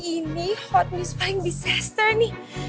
ini hot news paling disaster nih